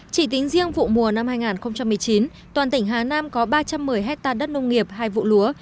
chỉ tính riêng vụ mùa năm hai nghìn một mươi chín toàn tỉnh hà nam có ba trăm một mươi hectare đất nông nghiệp hai vụ lúa